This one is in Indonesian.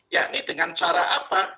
ya ini dengan cara apa